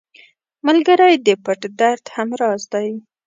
ملګری د پټ درد هم راز دی